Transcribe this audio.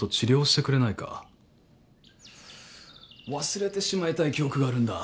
忘れてしまいたい記憶があるんだ。